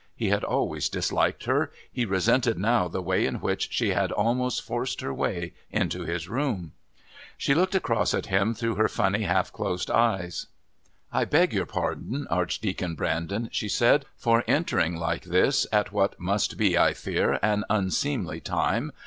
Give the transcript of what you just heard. He had always disliked her. He resented now the way in which she had almost forced her way into his room. She looked across at him through her funny half closed eyes. "I beg your pardon, Archdeacon Brandon," she said, "for entering like this at what must be, I fear, an unseemly time.